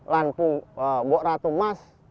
dan wukratu mas